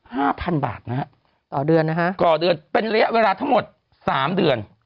ห้าพันบาทนะฮะต่อเดือนนะฮะต่อเดือนเป็นระยะเวลาทั้งหมดสามเดือน